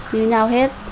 như nhau hết